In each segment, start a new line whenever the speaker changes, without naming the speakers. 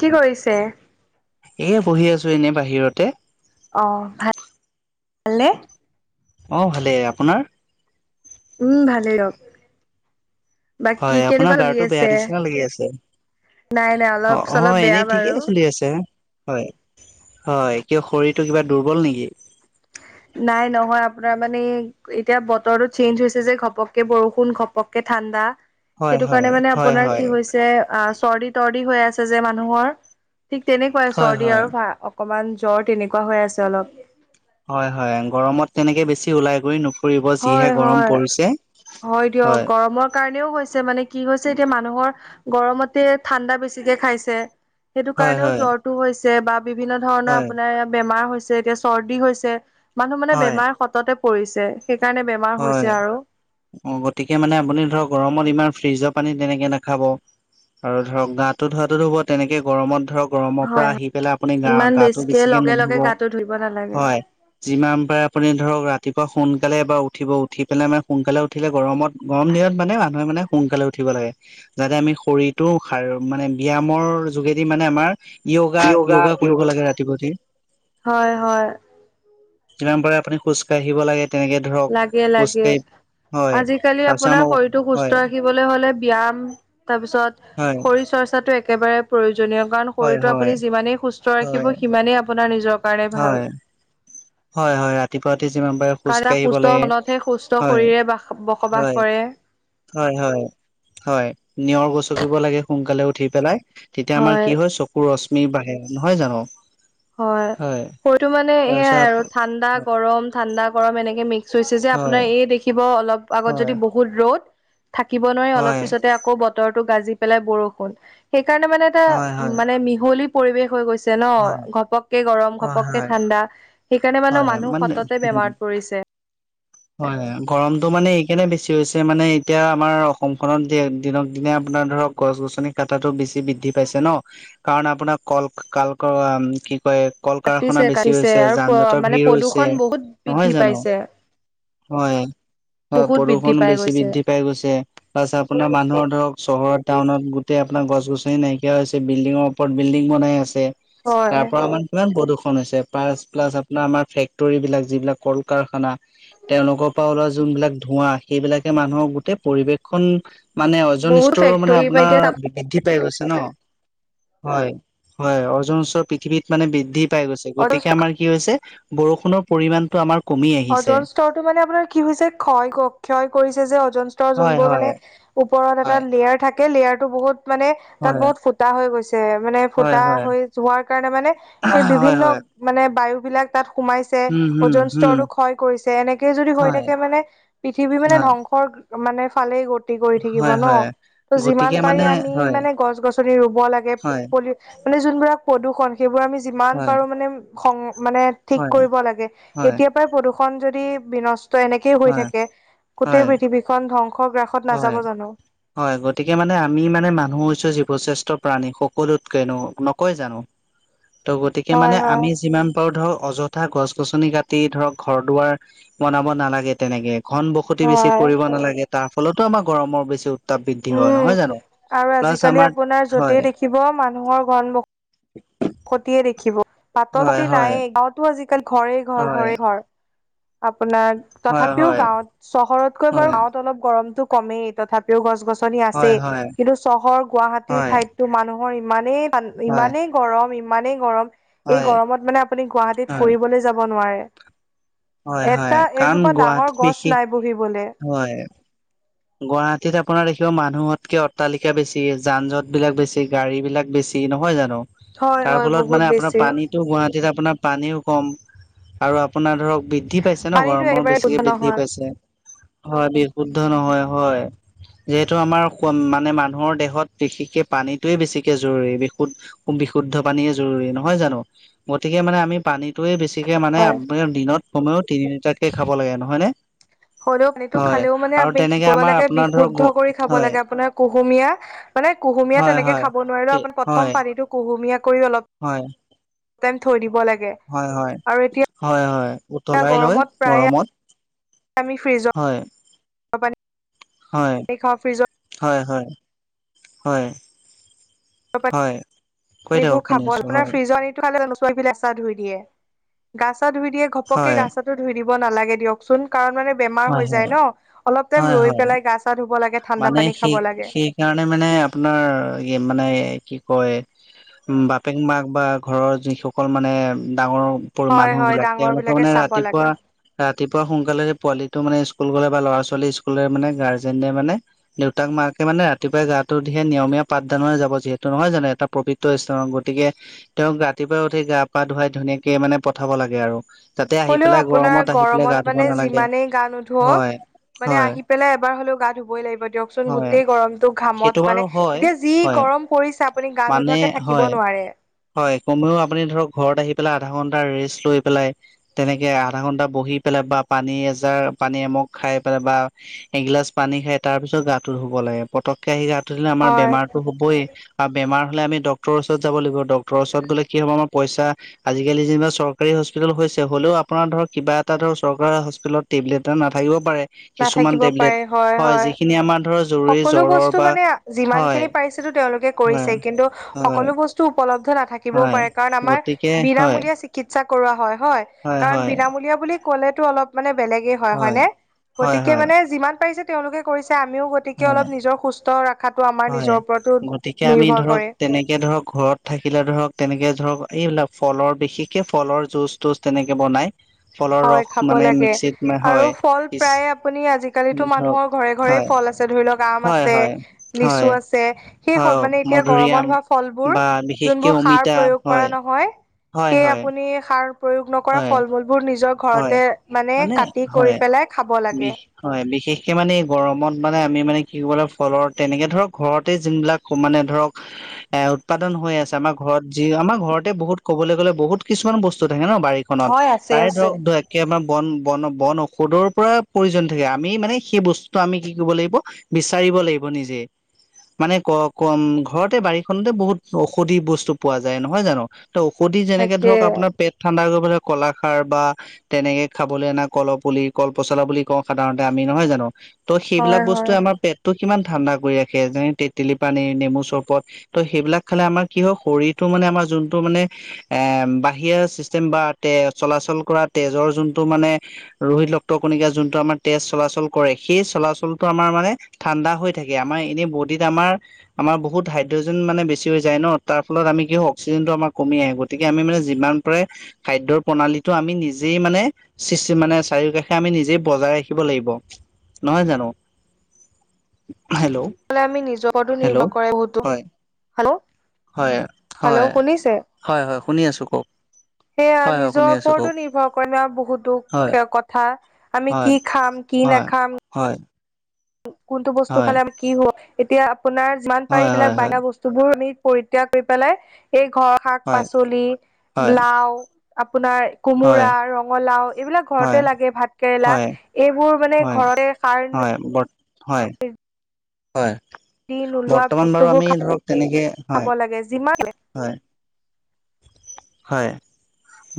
কি কৰিছে
পঢ়ি আছো এনেই বাহিৰতে
অ ভাত খালে
অ ভালেই আপোনাৰ
উম ভালেই দিওক
হয় আপোনাৰ গাৰটো বেয়া নিচিনা লাগি আছে
নাই নাই
অ
অলপ চলপ
হয়
বেয়া
এনেই
বাৰু।
ঠিকেই চলি আছে হয় হয় কিয় শৰীৰটো কিবা দুৰ্বল নেকি
নাই নহয় আপোনাৰ মানে এতিয়া বতৰটো চেঞ্জ হৈছে যে ঘপককে বৰষুণ ঘপককে ঠাণ্ডা
হয়
সেইটো
হয়
কাৰণে মানে
হয়
আপোনাৰ
হয়
কি হৈছে আ চৰ্দি তৰ্দি হৈ আছে যে মানুহৰ ঠিক তেনেকুৱাই
হয়
চৰ্দি
হয়
আৰু ভ অকমান জ্বৰ তেনেকুৱা হৈ আছে অলপ
হয় হয় গৰমত তেনেকে বেছি ওলাই ঘূৰি
হয় হয় হয় দিয়ক গৰমৰ কাৰণে কাৰণেও হৈছে মানে কি হৈছে এতিয়া মানুহৰ গৰমতে ঠাণ্ডা বেছিকে খাইছে সেইটো
হয়
কাৰণেও
হয়
জ্বৰটো হৈছে বা বিভিন্ন ধৰণৰ
হয়
আপোনাৰ বেমাৰ হৈছে যে এতিয়া চৰ্দি হৈছে মানুহ মানে
হয়
বেমাৰ সততে পৰিছে সেইকাৰণে বেমাৰ হৈছে
হয়
আৰু
অ গতিকে মানে আপুনি ধৰক গৰমত ইমান ফ্ৰিজৰ পানী তেনেকে নাখাব আৰু ধৰক গাটো ধোৱাটো ধুব তেনেকে গৰমত ধৰক গৰমৰ পৰা
হয়
আহি পেলাই আপুনি গা
হয় ইমান
গাটো বেছিকে
লগে লগে
নুধব
গাটো ধুব নালাগে
হয় যিমান পাৰে আপুনি ধৰক ৰাতিপুৱা সোনকালে এবাৰ উঠিব উঠি পেলাই মানে সোনকালে উঠিলে গৰমত গৰম দিনত মানে মানুহে মানে সোনকালে উঠিব লাগে যাতে আমি শৰীৰটো সাৰ মানে ব্যায়ামৰ যোগেদি মানে আমাৰ য়োগা য়োগা কৰিব লাগে ৰাতিপুৱঠ
হয় হয়
যিমান পাৰে আপুনি খোজকাাঢ়িব লাগে তেনেকে ধৰণ
লাগে লাগে আজিকালি
তাৰপিছত
আপোনাৰ
আমাৰ
শৰীৰটো
হয়
সুস্থ ৰাখিবলৈ হলে ব্যয়ায়াম
হয়
তাৰপিছত শৰীৰ চৰ্চাটো একেবাৰে প্ৰয়োজন কাৰণ
হয়
শৰীৰটো
হয়
আপুনি যিমানে সুস্থ
হয়
ৰাখিব সিমানেই আপোনাৰ নিজৰ কাৰণে ভাল
হয় হয় হয় ৰাতিপুৱা যিমান পাৰে খোজ
কাৰণ এটা
কাঢ়িব
সুস্থ
লাগে
মনতহে সুস্থ
হয়
শৰীৰে বাস বসবাস
হয়
কৰে
হয় হয় হয় নিয়ৰ গচকিব লাগে সোনকালে উঠি পেলাই তেতিয়া আমাৰ কি হয় চকু ৰশ্মি বাহে নহয় জানো
হয় সৰিতটো মানে সয়াই
তাৰপিছত
আৰু ঠাণ্ডা গৰম ঠাণ্ডা গৰম এনেকে মিক্স চুইছে যে
হয়
আপোনাৰ এই দেখিব অলপ আগত
হয়
যদি বহুত ৰ'দ থাকিব নোৱাৰি অলপ
হয়
পিছতে আকৌ বতৰটো গাজি পেলাই বৰষুণ সেইকাৰণে মানে এটা
হয় হয়
উ
হয়
মানে মিহলি পৰিৱেশ হৈ গৈছে ন
হয়
ঘপককে গৰম
হয়
ঘপককে
হয়
ঠাণ্ডা সেইকাৰণে মানে
হয়
মানুহ সততে
উম
বেমাৰত পৰিছে
হয় গৰমতটো মানে কেনে বেছি হৈছে মানে এতিয়া আমাৰ অসমখনত দিনক দিনে আপোনাৰ ধৰক গছ গছনি কটাটো বেছি বে বৃদ্ধি পাইছে ন কাৰণ আপোনাৰ কল কাল কি কয় কল
কাটিছে
কাৰখানা বেছি
কাটিছে
হৈছে
আৰু
যান জঁটৰ
মানে
ভিৰ হৈছে
প্ৰদূষণ বহুত বৃদ্ধি
নহয় জানো
পাইছে।
হয় হয় হয়
বহুত বৃদ্ধি
প্ৰদূষণ
পাই
বেছি
গৈছে
বৃদ্ধি পাই গৈছে তাৰত আপোনাৰ মানুহৰ ধৰক চহৰ টাউনত গোটেই আপোনাৰ গছ গছনি নাইকিয়া হৈছে বিল্ডিঙৰ ওপৰত বিলডিং বনাই আছে
হয়
তাৰ পৰা আমাৰ কিমান প্ৰদূষণ প প্লছ আপোনাৰ আমাৰ ফেক্টৰ বিলাক যিবিলাক কল কাৰখানা তেওঁলোকৰ পৰা ওলোৱা যোনবিলাক ধোঁৱা সেইবিলাকে মানুহৰ গোটেই পৰিবেশখনন মানে অজন
বহুত
স্তৰ মানে
ফেক্টৰী পৰা
আপোনাৰ বৃদ্ধি াই গৈছে ন হয় হয় অৰ্জুন চৰ পৃথিৱীত মানে বৃদ্ধি পাই গৈছে গতিকে
এতিয়া
আমাৰ কি হৈছে বৰষুণৰ পৰিমণটো আমাৰ কমি আহিছে
অজন স্তৰটো মানে আপুনাৰ কি হৈছে ক্ষয় গ ক্ষয় কৰিছে যে অজন স্তৰৰ
হয়
জোনবোৰ
হয়
মানে উপ্ ওপৰত এটা
হয়
লেয়াৰ থাকে লেয়াৰ টো বহুত মানে তাত
হয়
বহুত ফুটা হৈ গৈছে। মানে
হয়
ফুটা
হয়
হৈ যোৱাৰ কাৰণে মানে
হয়
সেই বিভিন্ন
হয়
মানে বায়ু বিলাক তাত সোমাইছে
উম হম
অজন
হম
স্তৰো ক্ষয় কৰিছে এনেকে যদি হৈ
হয়
থাকে মানে পৃথিৱী মানে
হয়
ধ্বংসৰ মানে ফালেই গ কৰি থাকিব
হয়
ন
হয়
ত যিমান
গতিকে
পাৰি
মানে
আমি
হয়
মানে গছ গছনি ৰুব লাগে,
হয়
পলি মানে যোনবোৰাক প্ৰদূষন সেইবোৰ আমি যিমান
হয়
পাৰো মানে মানে ঠিক
হয়
কৰিব লাগে।
হয়
এতিয় পৰা প্ৰদূষণ যদি বিনষ্ট এনেকেই হৈ
হয়
থাকে গোটেই
হয়
পৃথিৱীখনন ধ্বংস গ্ৰাসত
হয়
নাযাব জানো?
হয়, গতিকে মানে আমি মানে মানুহ চ জীৱশ্ৰেষ্ঠ প্ৰাণী সকলোতকেনো নকয় জানোঁ? ত' গতিকে মানে
হয় হয়
আমি যিমান পাৰো ধৰ অজ থা গছ গছনি কাটি ধৰক ঘৰ দুৱাৰ বনাব নালাগে তেনেকে। ঘন বসতি বেছি
হয়।
কৰিব নালাগে তাৰ ফলতো আমাৰৰমৰ বেছি উ তাপ বৃদ্ধি হয়
উম
নহয় জানো?
আৰু
প্লাছ
আজিকালি
আমাৰ,
আপোনাৰ য'তেই
হয়।
ক্ষতিয়ে দেখিব পাতল
হয় হয়
নায়ে গাঁৱতো আজিকালি ঘৰে ঘৰ
হয়
ঘৰে ঘৰ। আপোনাৰ
হয়
তথাপিও
হয়
গাঁৱত চহৰতকৈ
হয়
বাৰু গাঁৱত অলপ গৰমতো কমেই তথাপিও গছ গছনি
হয়
আছে
হয়
কিন্তু চহৰ গুৱাহাটীৰ
হয়
ঠাইততো মানুহ মৰ ইমানেইান
হয়
ইমানেই গৰম ইমানেই গৰম এই
হয়
গৰমত মানে আপুনি গুৱাহাটীত
হয়
ফুৰিবলৈ যাব নোৱাৰে।
হয় হয়
এটা
কাৰণ
এজোপা
গুৱাহাটী
ডাঙৰ গছ
বিশেষ
লাই বহিবল
হয়। গুৱাহাটীত আপোনাৰ দেখিব মানুহতকে অট্টালিকা বেছি, যান জঁট বিলাক বেছি, গাড়ী বিলাক বেছি। নহয় জানোঁ?
হয়
তাৰ
হয়
ফলত
বহুত
মানে আপোনাৰ
বেছি
পানীতো গুৱাহাটীত আপোনাৰ পানীও কম আৰু আপোনাৰ ধৰক বৃদ্ধি পাইছে ন
পানীটো
গৰমৰ
একেবাৰে শুদ্ধ
বেছিকে বৃদ্ধি
নহয়
পাইছে। হয় বিশুদ্ধ নহয় হয়। যিহেতু আমাৰ মানে মানুহৰ দেহত বিশেষকে পানীতয়ে বেছিকে জৰুৰী বিশুদ [unintelligible] বিশুদ্ধ পানীয়েে জৰুৰী নহয় জানোঁ? গতিকে মানে আমি পানী তোৱে বেছিকে মানে
হয়
আপাৰ দিনত সময়ও তিনিটাতকে খাব লাগে নহয়নে?
হ'লেও পানীতো খালেও মানে আমি কি কৰিব
আমাৰ
লাগ
আপোনাৰ ধৰক
বিশুদ্ধ কৰি খাব
হয়
লাগে আপোনাৰ কুহুমীয়াা মানে কুহুমীয়া
হয়
তেনেকে
হয়
খাব নোৱাৰিলো আপ প্ৰথম
হয়
পানীতো কুহুমীয়া কৰি অলপ,
হয়
টাইম থৈ দিব লাগ
হয় হয়, হয় হয় উতলাই লৈ
গৰমত প্ৰায়ে
গৰমত
আমি ফ্ৰীজত
হয় হয়,
খাওঁ ফ্ৰিজৰ
হয় হয়, হয়।
[unintelligible]
হয় কৈ
পানীবোৰ
থাকক শুনি
খাব
আছো
আপোনাৰ
হয়
ফ্ৰিজৰ পানী [unintelligible] [unintelligible] পাই চা ধুই দিয়ে, গা চা ধুই দিয়ে ঘপকে
হয়
গা চাটো ধুই দিব নালাগে দিয়কচোন। কাৰণ মানে বেমাৰ
হয়
হৈ
হয়
যায় ন অলপ টাইম
হয়
ৰৈ
হয়
পেলাই গা চা ধুব লাগে ঠাণ্ডা পানী
সেই
খাব লাগে।
সেইকাৰণে মানে মানে আপোনাৰ মানে কি কয়, উম, বাপেক মাক বা ঘৰৰ যিসকল মানে ডাঙৰ
হয়
মানুহ
হয়
বিলাক
ডাঙৰ
তেওঁলোকে
বিলাকে
মানে
চাব
ৰাতিপুৱা
লাগে
ৰাতিপুৱা সোনকালে পোৱালিত মানে স্কুল গ'লে বা ল'ৰা ছোৱালী স্কুলে মানে গাৰ্জেনে মানে দেউতাক মাকে মানে ৰাতিপুৱাই গা টো দি নিয়মীয়া পাঠদানৰে যাব যিহেতু নহয় জানো এটা পৱিত্ৰ স্থানত, গতিকে তেওঁক ৰাতিপুৱাই উঠি গা পা ধুৱাই ধুনীয়াকে মানে পঠাব লাগে আৰু। যাতে আহি
হ'লেও
পেলাই
আপোনাৰ
গৰমত আহি পেলাই গা
গৰমত
ধুব
মানে
নালাগে
যিমানেই গা নো ধোৱক,
হয়
মানে
হয়
আহি পেলাই এবাৰ হলেও গা ধুবই লাগিব। দিয়কচোন
হয়
গোটেই গৰমটো
সেইটো
ঘামত
বাৰু
মানে
হয়
এতিয়া যি
হয়
গৰম পৰিছে আপ আপুনি গা
মানে
নোধোৱাকে থাকিব
হয়
নোৱাৰে।
হয় কমেও আপুনি ধৰ ঘৰত আহি পেলাই আধা ঘন্টা ৰেষ্ট লৈ পেলাই তেনেকে আধা ঘন্টা বহি পেলা বা পানী এজাৰ পানী এমক খাই পেলাই বা এগিলাচ পানী খাই তাৰ পিছত গাটো ধুব লাগে। পটককে আহি গাটো ধুলে আমাৰ
হয়
বেমাৰো হবই আৰু বেমাৰ হলে আমি ডক্তৰৰ ওচৰত যাব লাগিব আৰু ড খৰচত গ'লে কি হ'ব আমাৰ পইচা আজিকালি যেনিবা চৰকাৰী হস্পিিতল হৈছে হলেও আপোনাৰ ধৰক কিবা এটা
নাথাকিব পাৰে হয় হয়
[inaudible]
সকলো
জ্বৰৰ
বস্তু
বা
মানে যিমান
হয়
খিনি পাৰিছিলো তেওঁলোকে
হয়
কৰিছে কিন্তু
হয়
সকলো বস্তু উপলব্ধ নাথাকিবও
হয়
পাৰে কাৰণ আমাৰ
গতিকে হয়
বিনামূলীয়া চিকিৎসা কৰোৱা হয় হয় কাৰণ বিনামূলীয়া বুলি লেো অলপ মানে বেলেগে হয় হয় নে
হয়
গতিকে
হয়
মানে যিমান পাৰিছে তেওঁলোকে কৰিছে আমিও গতিকে
হয়
অলপ নিজৰ সুস্থ ৰাখাত
হয় গতিকে আমি ধৰক
কৰে
তেনেকে ধৰক ঘৰত থাকিলে ধৰক তেনেকে ধৰক এইবিলাক ফলৰ বিশেষকে ফলৰ জুচ তুচ তেনেকে বনাই ফলৰ
হয়
ৰস
খাব
মানে
লাগে
মিক্সিত
আৰু
হয়
ফল
পিছ
প্ৰায় আপুনি আজিকালিিতো
ধৰক
মানুহৰ ঘৰে ঘৰে
হয়
ফল আছে ধৰি লওক আম
হয়
আছে
হয় হয়
লিচু আছে সেই
হয়
মানে এতিয়া গৰমত
মধুৰিআম
হোৱা ফলবোৰ
বা বিশেষকে
যোনবোৰ সাৰ
অমিতা
প্ৰয়োগ কৰা
হয়
নহয়
হয়
সেই
হয়
আপুনি প্ৰয়োগ নক
হয়
ফল মলবোৰ নিজ নিজৰ
হয়
ঘৰতে মানে কাটি কৰি পেলাই খাব লাগে
সেই মানে গৰমত মানে আমি মানে কি কৰিবলৈাগ ফলৰ তেনেকে ধৰক ঘৰতে যোনবিলাক মানে ধৰক এ উৎপাদন হৈ আছে আমাৰ ঘৰত যি আমাৰ ঘৰতে বহুত কবলৈ গ'লে বহুত কিছুমান বস্তু থাকে ন বাৰীখনত
হয় আছে
তাৰে
আছে
ধৰক আমাৰ বন বন বন ঔষধৰ পৰা প্ৰয়োজন থাকে আমি মানে সেই বস্তুটো আমি কি কৰিব লাগিব বিচাৰিব লাগিব নিজে মানে ক কম ঘৰতে বাৰীখনতে বহুত ঔষধি বস্তু পোৱা যায় নহয় জানো ত ঔষধি যেনেকে
তাকে
ধৰক আপোনাৰ পেট ঠাণ্ডা কৰিব কলাখাৰ বা তেনেকে খাবলৈ অনা কল পুলি কল পচলা বুলি কওঁ সাধাৰণতে আমি নহয় জানো ত' সেইবিলাক
হয় হয়
বস্তুৱে আমাৰ পেটটো কিমান ঠাণ্ডা কৰি ৰাখে। যেনে তেতেলী পানী নেমু চৰবত ত' সেইবিলাক খালে আমাৰ কি হয় শৰীৰটো মানে আমাৰ যোনটো মানে এ বাহিৰা চিচতেম বা তে চলাচল কৰাত তেজৰ যোনটো মানে ৰোহিত ৰক্ত কণিকা, যোনটো আমাৰ তেজ চলাচল কৰে, সেই চলাচলটো আমাৰ ঠান্ডা হৈ থাকে, আমাৰ এনে বডিত আমাৰ আমাৰ বহুত হাইড্ৰজেন মানে বেছি হৈ যায় ন। তাৰ ফলত আমাৰ কি হয়? অক্সিজেনটো আমাৰ কমি আহে। গতিকে আমি যিমান পাৰে খাদ্যৰ প্ৰণালীটো আমি নিজে নিজেই মানে মানে চাৰিও কষে আমি নিজে বজাই ৰাখিব লাগিব। নহয় জানো? হেল্ল'
লে আমি নিজৰ ওপৰতো
হেল্ল'
নিৰ্ভৰ কৰে বহুতো।
হয়
হেল্ল,
হয়
হেল্ল'
হয়
শুনিছে
হয় হয় শুনি আছোঁ কওঁক।
সেয়া নিজৰ ওপৰতো নিৰ্ভৰ কৰে, আমাৰ বহুতো
হয়
কথা আমি
হয়
কি খাম? কি
হয়
নাখাম?
হয়।
কোনটো বস্তু
হয়
খালে আমি কি হব? এতিয়া আপোনাৰ যিমান পাৰি
হয়
এইবিলাক
হয় হয়
বাহিৰা বস্তুবোৰ আমি পৰিত্যাগ কৰি পেলাই এই ঘৰৰ শাক
হয়
-পাচলি,
হয়
লাওঁ আপোনাৰ
হয় হয়
কোমোৰা, ৰঙালাওৰ এইবিলাক ঘৰতে লাগে, ভাত কেৰেলা
হয় হয় হয়
এইবোৰ মানে ঘৰতে সাৰ
হয় ব হয় হয়।
দি নোলোৱা
বৰ্তমান বাৰু
বস্তুবোৰ
আমি ধৰক তেনেকে
খাব
হয়
লাগে যিমান
হয়। হয়।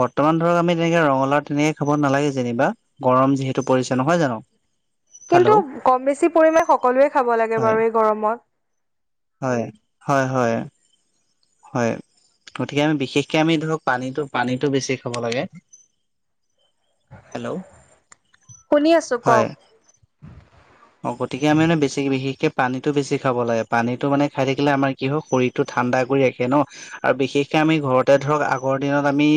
বৰ্তমান ধৰক আমি তেনেকে ৰঙালাওঁ তেনেকে খাব নালাগে যেনিবা, গৰম যিহেতু পৰিছে নহয় জানো?
কিন্তু
হেল্ল'
কম বেছি পৰিমাণে সকলোৱে খাব লাগে
হয়
বাৰু এই গৰমত।
হয় হয় হয়। হয়, গতিকে আমি বিশেষকে আমি ধৰক পানী পানীটো বেছি খাব লাগে। হেল্ল'
শুনি আছো
হয়।
কওক
অ গতিকে আমি মানে বেছি বিশেষে পানীতটো বেছি খাব লাগে। পানীটো মানে খাই থাকিলে আমাৰ কি হয় শৰীৰতটো থ ঠাণ্ডা কৰি ৰাখে ন আৰু বিশেষকে আমি ঘৰতে ধৰক আগৰ দিনত আমি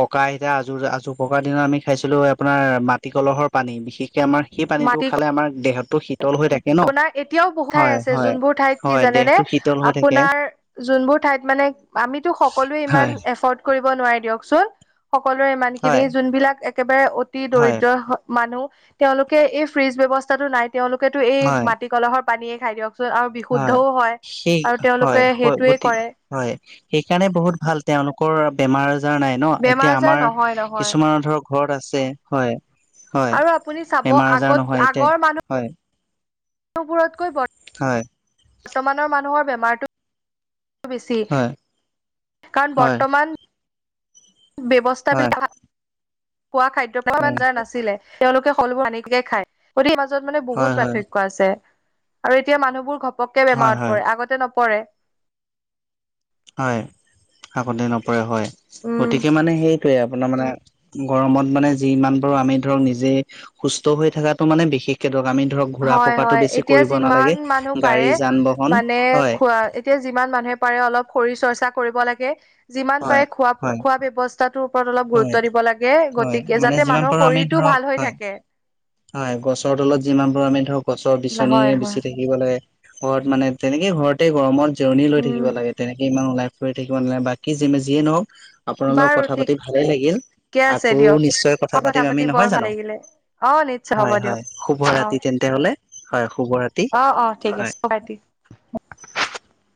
ককা আইতা আজোৰ আজো ককাৰ দিনত আমি খাইছিলোঁ আপোনাৰ মাটি কলহৰ পানী, বিশেষকৈ আমাৰ সেই পানীটো
মাটি
খালে আমাৰ দেহত টো শীতল হৈ থাকে।
আপোনাৰ এতিয়াওঁ বহুত ঠাই আছে,
হয়
যোনবোৰ ঠাইত কি
হয়
জানেনে
দেহটো শীতল হৈ থাকে
আপোনাৰ যোনবোৰ ঠাইত মানে আমিতো সকলোৱে
হয়
ইমান এফৰ্ কৰিব নোৱাৰি দিয়কচোন, সকলোৰে ইমান
হয়
খিনি যোনবিলাক একেবাৰে অতি
হয়
দৰিদ্ৰ মানুহ তেওঁলোকে এই ফ্ৰিজ ব্যৱস্থাটো নাই, তেওঁলোকেতো এই
হয়
মাটি কলহৰ পানীয়ে খাই দিয়ক। আৰু বিশুদ্ধও হয়
সেই
আৰু
হয়
তেওঁলোকে
হয়
সেইটোৱে
গতি
কৰে।
হয় সেইকাৰণে বহুত ভাল তেওঁলোকৰ বেমাৰ আজাৰ নাই ন।
বেমাৰ
এতিয়া
আজাৰ
আমাৰ
নহয় নহয়
কিছুমানৰ ধৰক ঘৰত আছে। হয় হয়
আৰু আপুনি চাব
বেমাৰ আজাৰ নহয় এতিয়া হয়।
তকৈ বৰ
হয়।
বৰ্তমানৰ মানুহৰ বেমাৰটো বেছি।
হয়
কাৰণ
হয়
বৰ্তমান
হয়
ব্যৱস্থাবিলাক খোৱা খাদ্য প্ৰ
হয়
[unintelligible] যাৰ নাছিলে তেওঁলোকে শলবোৰ হানে খায়। গতিকে মানে
হয়
বহুত
হয়
পাৰ্থক্য আছে আৰু এতিয়া মানুহবোৰ ঘপককে
হয়
বেমাৰত
হয়
পৰে, আগতে ন পৰে।
হয় আগতে নপৰে হয়।
উম,
গতিকে মানে সেইটোৱে আপোনাৰ মানে গৰমত মানে যিমান পাৰো আমি ধৰক নিজে সুস্থ হৈ থকাাতটো মানে বিশেষকে দৰকাৰ। আমি ধৰক ঘূৰা
হয়
পকাটো
হয়
বেছি
এতিয়া
কৰিব নালাগে
যিমান মানুহ
গাড়ী
পাৰে
যান বাহন
মানে
হয়
খোৱা এতিয়া যিমান মানুহ অলপ শৰীৰ চৰ্চা কৰিব লাগে, যিমান
হয়
পাৰে খোৱা
হয়
খোৱা ব্যৱস্থাটো ওপৰত অলপ
হয়
গুৰুত্ব দিব লাগে,
হয়
গতিকে
মানে
যাতে
যিমান
মানুহৰ
পাৰো আমি
শৰীৰটো
ধৰক
ভাল হৈ
হয়
থাকে।
হয় গছৰ তলত যিমান পাৰো আমি ধৰক গছৰ বিচনী
হয় হয়
বেচি থাকিব লাগে, ঘৰত মানে তেনেকে ঘৰতে গৰমত। জাৰণি লৈ
উম
থাকিব লাগে তেনেকে ইমান লাইফ লৈ থাকিব নালাগে বাকি যিয়ে নহওক আপোনাল লগ
বাৰু
কথা পাতি
ঠিকে
ভালে লাগিল
আছে
আকৌ
দিয়ক
নিশ্চয় কথা পাতিম আমি
পাতি বৰ
নহয়
ভাল
জানো
লাগিলে অ নিশ্চয় হ'ব
হয়
দিয়ক
হয় শুভ
অ
ৰাতি তেন্তে হলে হয় শুভ ৰাতি
অ অ ঠিক
হয়
আছে পাতি
[unintelligible]